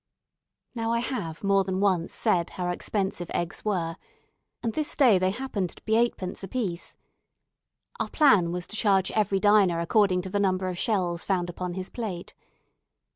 Now, I have more than once said how expensive eggs were; and this day they happened to be eightpence apiece. Our plan was to charge every diner according to the number of shells found upon his plate.